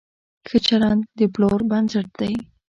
ښه چلند د پلور بنسټ دی.